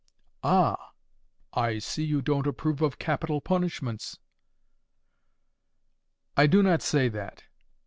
"Ah, I see. You don't approve of capital punishments." "I do not say that.